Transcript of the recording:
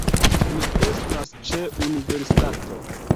Mi estas ĉe universitato